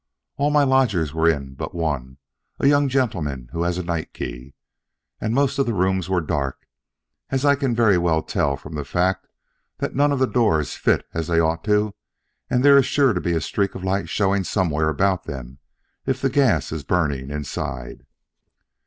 All my lodgers were in but one, a young gentleman who has a night key. And most of the rooms were dark, as I can very well tell from the fact that none of the doors fit as they ought to and there is sure to be a streak of light showing somewhere about them if the gas is burning inside.